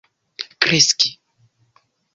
kreski